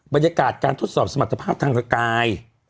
บรรยากาศการทดสอบสมรรถภาพทางร่างกาย